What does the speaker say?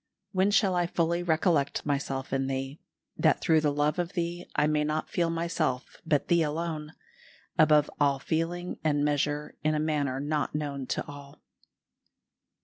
"When shall I fully recollect myself in Thee, that through the love of Thee I may not feel myself but Thee alone, above all feeling and measure in a manner not known to all?"